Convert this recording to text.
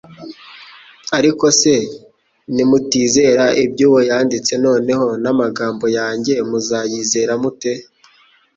Ariko se nimutizera ibyo uwo yanditse, noneho n’amagambo yanjye muzayizera mute ?